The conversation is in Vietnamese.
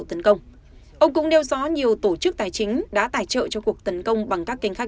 tấn công ông cũng đeo rõ nhiều tổ chức tài chính đã tài trợ cho cuộc tấn công bằng các kênh khác